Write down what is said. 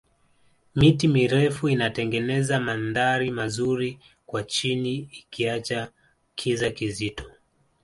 miti mirefu inatengeneza mandhari mazuri kwa chini ikiacha kiza kizito